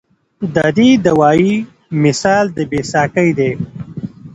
د دې دوائي مثال د بې ساکۍ دے